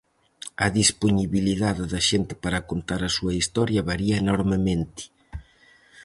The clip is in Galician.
A dispoñibilidade da xente para contar a súa historia varía enormemente.